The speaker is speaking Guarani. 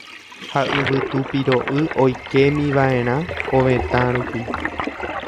Ha yvytu piro'y oikémiva'erã ovetã rupi.